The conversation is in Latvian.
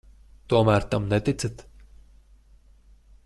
Tomēr tam neticat?